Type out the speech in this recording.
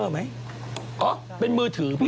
ไหนคลิป